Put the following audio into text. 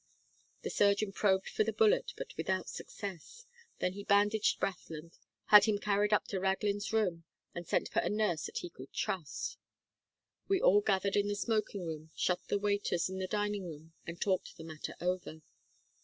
The surgeon probed for the bullet, but without success. Then he bandaged Brathland, had him carried up to Raglin's room, and sent for a nurse that he could trust. "We all regathered in the smoking room, shut the waiters in the dining room, and talked the matter over.